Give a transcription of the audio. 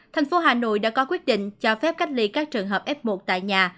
thành phố hà nội đã có quyết định cho phép cách ly các trường hợp f một tại nhà